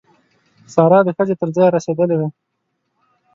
سارا د ښځې تر ځایه رسېدلې ده.